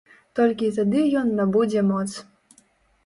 Толькі тады ён набудзе моц.